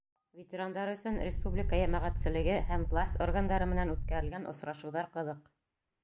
Ветерандар өсөн республика йәмәғәтселеге һәм власть органдары менән үткәрелгән осрашыуҙар ҡыҙыҡ.